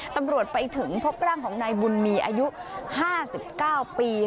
ตำรวจไปถึงพบร่างของนายบุญมีอายุ๕๙ปี